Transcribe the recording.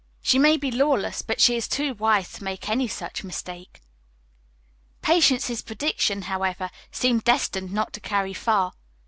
"She may be lawless, but she is too wise to make any such mistake." Patience's prediction, however, seemed destined not to carry far.